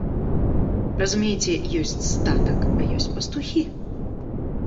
Разумееце, ёсць статак, а ёсць пастухі.